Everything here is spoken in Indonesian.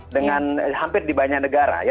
dengan hampir di banyak negara ya